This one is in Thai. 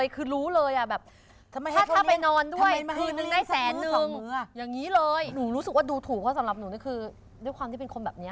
ก็สำหรับหนูด้วยความเป็นคนแบบนี้